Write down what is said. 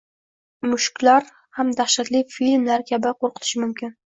Mushuklar ham dahshatli filmlar kabi qo‘rqitishi mumkin